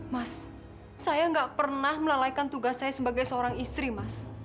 mas saya gak pernah melalaikan tugas saya sebagai seorang istri mas